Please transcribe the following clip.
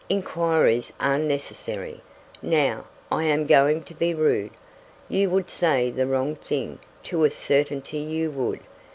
Inquiries are necessary. Now, I am going to be rude. You would say the wrong thing; to a certainty you would.